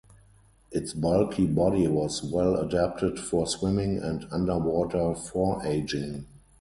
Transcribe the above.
Its bulky body was well adapted for swimming and underwater foraging.